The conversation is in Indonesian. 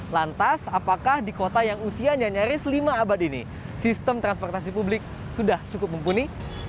lantas apakah di kota yang usianya nyaris lima abad ini sistem transportasi publik sudah cukup mumpuni